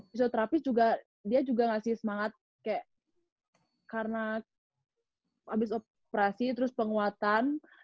fisioterapis juga dia juga ngasih semangat kayak karena habis operasi terus penguatan